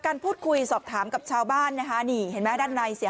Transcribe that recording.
การพูดคุยสอบถามกับชาวบ้านนะคะนี่เห็นไหมด้านในเสียง